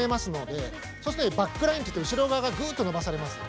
そうするとねバックラインっていって後ろ側がグッと伸ばされます。